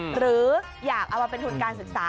หรืออยากเอามาเป็นทุนการศึกษา